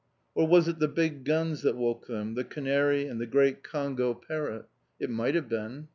Or was it the big guns that woke them, the canary, and the grey Congo parrot? It might have been!